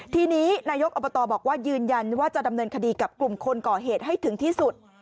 ทีนี้นายกอบตบอกว่ายืนยันว่าจะดำเนินคดีกับกลุ่มคนก่อเหตุให้ถึงที่สุด